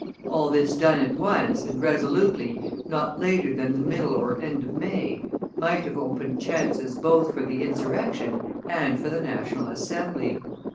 All this done at once, and resolutely, not later than the middle or end of May, might have opened chances both for the insurrection and for the National Assembly.